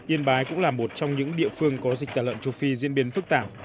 yên bái cũng là một trong những địa phương có dịch tả lợn châu phi diễn biến phức tạp